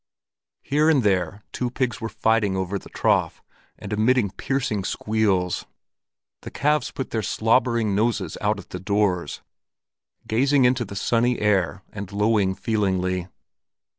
Here and there two pigs were fighting over the trough, and emitting piercing squeals. The calves put their slobbering noses out at the doors, gazing into the sunny air and lowing feelingly.